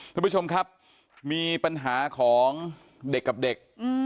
ทุกผู้ชมครับมีปัญหาของเด็กกับเด็ก